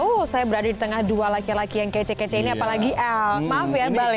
oh saya berada di tengah dua laki laki yang kece kece ini apalagi el maaf ya bali